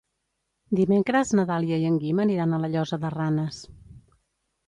Dimecres na Dàlia i en Guim aniran a la Llosa de Ranes.